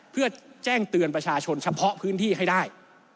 เพื่อแจ้งเตือนประชาชนเฉพาะพื้นที่ให้ได้